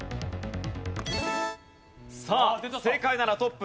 さあ正解ならトップ。